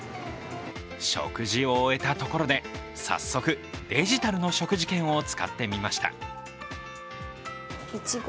食事を終えたところで、早速デジタルの食事券を使ってみました。